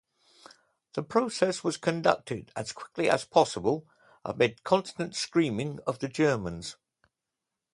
The process was conducted as quickly as possible amid constant screaming of the Germans.